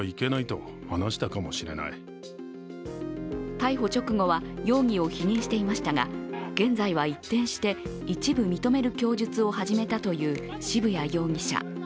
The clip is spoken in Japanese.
逮捕直後は容疑を否認していましたが、現在は一転して一部認める供述を始めたという渋谷容疑者。